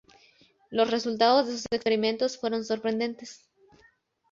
Los resultados de sus experimentos fueron sorprendentes.